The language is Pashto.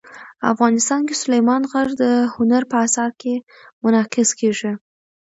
افغانستان کې سلیمان غر د هنر په اثار کې منعکس کېږي.